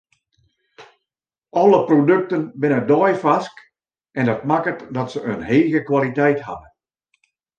Alle produkten binne deifarsk en dat makket dat se in hege kwaliteit hawwe.